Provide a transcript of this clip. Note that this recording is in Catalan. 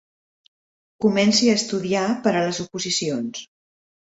Comenci a estudiar per a les oposicions.